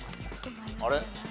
あれ？